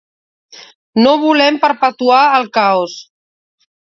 No volem perpetuar el caos.